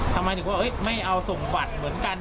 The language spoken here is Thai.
ทำไมถึงว่าไม่เอาส่งบัตรเหมือนกัน